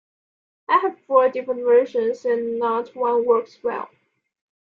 I have four different versions and not one works well.